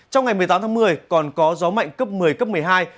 trong ngày một mươi tám tháng một mươi còn có gió mạnh cấp một mươi cấp một mươi hai